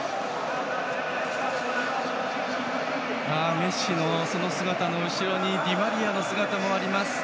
メッシの姿の後ろにディマリアの姿もあります。